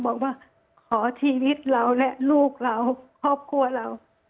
บอกว่าขอชีวิตเราและลูกเราครอบครัวเรา